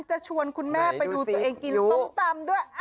ชวนคุณแม่ไปดูตัวเองกินส้มตำด้วย